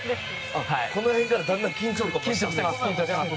この辺からだんだん緊張感消えてますね。